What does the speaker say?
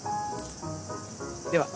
では。